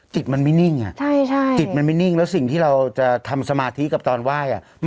จิตมันไม่นิ่งจิตมันไม่นิ่งแล้วสิ่งที่เราจะทำสมาธิกับตอนไหว้